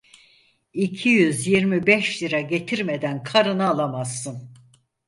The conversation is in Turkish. İki yüz yirmi beş lira getirmeden karını alamazsın!